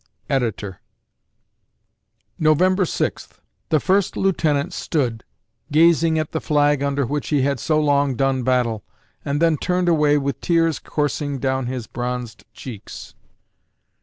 Editor] November Sixth The First Lieutenant stood ... gazing at the flag under which he had so long done battle, and then turned away with tears coursing down his bronzed cheeks.